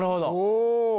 お！